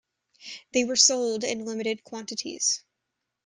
They were sold in limited quantities.